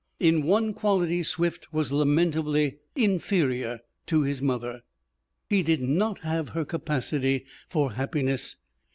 In one quality Swift was lamentably inferior to his mother he did not have her capacity for happiness.